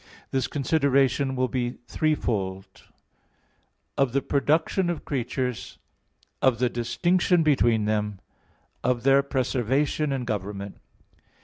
This consideration will be threefold: (1) of the production of creatures; (2) of the distinction between them; (3) of their preservation and government.